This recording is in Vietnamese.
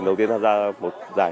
xin chào và hẹn gặp lại